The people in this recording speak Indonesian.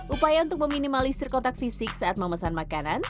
upaya untuk meminimalisir kontak fisik saat memesan makanan